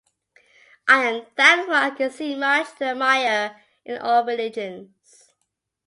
I am thankful I can see much to admire in all religions.